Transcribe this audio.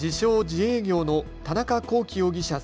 ・自営業の田中聖容疑者